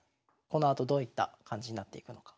このあとどういった感じになっていくのか。